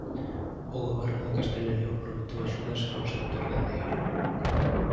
O Goberno de Castela e León prometeu axudas ao sector gandeiro.